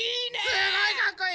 すごいかっこいい！